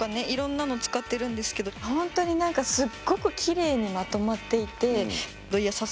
いろんなの使ってるんですけどほんとになんかすっごくきれいにまとまっていていや